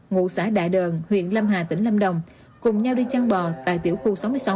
ngụ xã đại đờn huyện lâm hà tỉnh lâm đồng cùng nhau đi chăn bò tại tiểu khu sáu mươi sáu